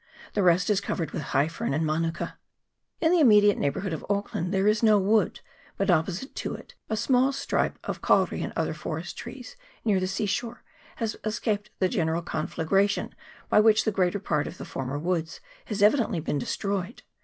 The rest is covered with high fern and manuka. In the immediate neighbourhood of Auckland there is no wood, but opposite to it a small stripe of kauri and other forest trees near the sea shore has escaped the general conflagration by which the greater part of the former woods has evidently been destroyed.